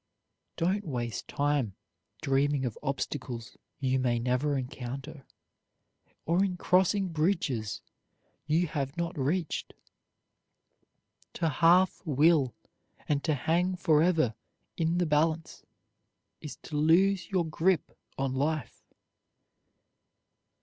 Don't waste time dreaming of obstacles you may never encounter, or in crossing bridges you have not reached. To half will and to hang forever in the balance is to lose your grip on life.